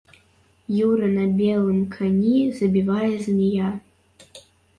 Юры на белым кані забівае змея.